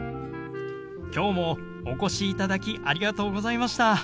きょうもお越しいただきありがとうございました。